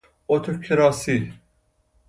اتوکراسی